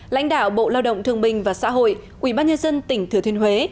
lãnh đạo bộ lao động thường bình và xã hội quỹ ban nhân dân tỉnh thừa thuyền huế